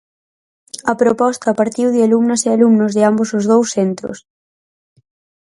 A proposta partiu de alumnas e alumnos de ambos os dous centros.